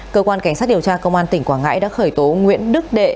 cơ quan cảnh sát điều tra công an tỉnh quảng ngãi đã khởi tố nguyễn đức đệ